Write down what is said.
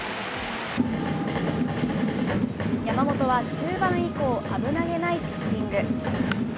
山本は中盤以降、危なげないピッチング。